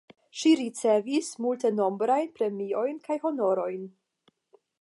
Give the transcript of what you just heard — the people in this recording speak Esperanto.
Ŝi ricevis multenombrajn premiojn kaj honorojn.